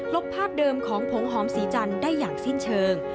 บภาพเดิมของผงหอมสีจันทร์ได้อย่างสิ้นเชิง